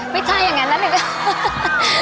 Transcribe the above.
ไม่ใช่อย่างนั้นนะหนึ่งก็